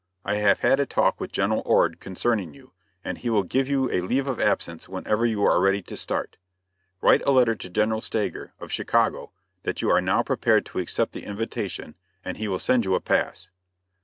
I have had a talk with General Ord concerning you, and he will give you a leave of absence whenever you are ready to start. Write a letter to General Stager, of Chicago, that you are now prepared to accept the invitation, and he will send you a pass."